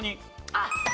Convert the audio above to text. あっ！